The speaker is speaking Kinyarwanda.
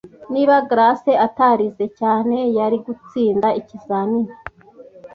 Niba Grace atarize cyane, yari gutsinda ikizamini.